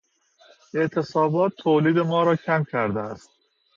اعتصابات تولید ما را کم کرده است.